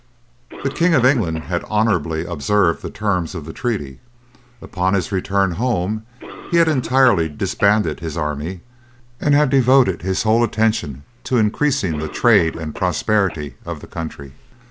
The King of England had honourably observed the terms of the treaty. Upon his return home he had entirely disbanded his army and had devoted his whole attention to increasing the trade and prosperity of the country.